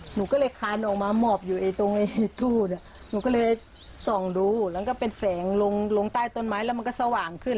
หนูก็เลยคานออกมาหมอบอยู่ตรงตู้เนี่ยหนูก็เลยส่องดูแล้วก็เป็นแสงลงใต้ต้นไม้แล้วมันก็สว่างขึ้น